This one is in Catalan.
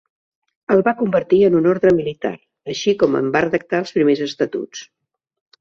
El va convertir en un orde militar, així com en va redactar els primers estatuts.